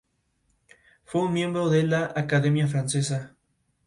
Fue un miembro de la Academia Francesa.